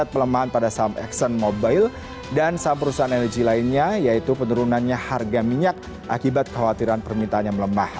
pelemahan pada saham exxon mobil dan saham perusahaan energi lainnya yaitu penurunannya harga minyak akibat kekhawatiran permintaannya melemah